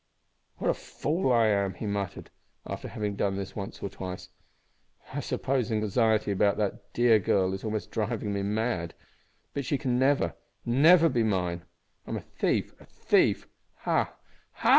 "What a fool I am!" he muttered, after having done this once or twice. "I suppose anxiety about that dear girl is almost driving me mad. But she can never never be mine. I'm a thief! a thief! Ha!